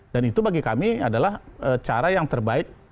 dan itu bagi kami adalah cara yang terbaik